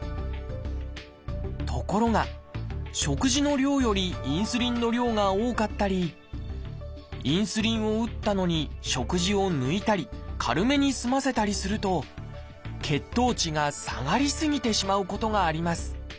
ところが食事の量よりインスリンの量が多かったりインスリンを打ったのに食事を抜いたり軽めに済ませたりすると血糖値が下がり過ぎてしまうことがあります。